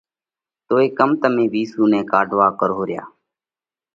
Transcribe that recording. توئي ڪم تمي وِيسُو نئہ ڪاڍوا ڪروه ريا؟